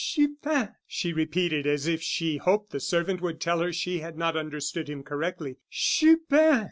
"Chupin!" she repeated, as if she hoped the servant would tell her she had not understood him correctly; "Chupin!"